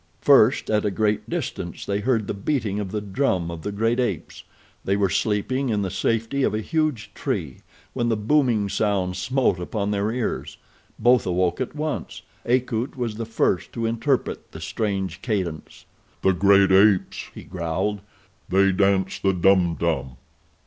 First, at a great distance, they heard the beating of the drum of the great apes. They were sleeping in the safety of a huge tree when the booming sound smote upon their ears. Both awoke at once. Akut was the first to interpret the strange cadence. "The great apes!" he growled. "They dance the Dum Dum.